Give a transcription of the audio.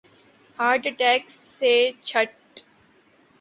heart attack سے چھٹ